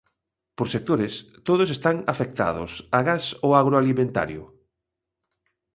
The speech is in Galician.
Por sectores, todos están afectados, agás o agroalimentario.